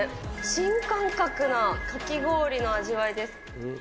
新感覚なかき氷の味わいです。